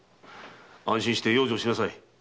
安心して養生しなさい。